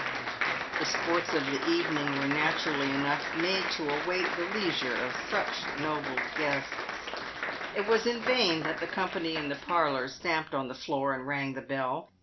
The sports of the evening were naturally enough made to await the PAVED WITH GOLD. 153 leisure of such noble guests. It was in vaiu that the company in the parlour stamped on the floor and rang the bell.